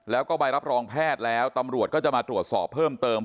แล้วก็ใบรับรองแพทย์แล้วตำรวจก็จะมาตรวจสอบเพิ่มเติม